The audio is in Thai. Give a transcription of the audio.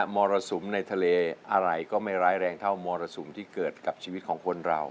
มรสุมในทะเลอะไรก็ไม่ร้ายแรงเท่ามรสุมที่เกิดกับชีวิตของคนเรา